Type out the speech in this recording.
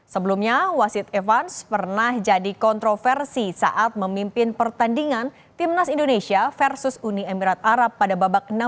sebelumnya wasid evans pernah jadi kontroversi saat memimpin pertandingan timnas indonesia versus uni emirat arab pada babak enam belas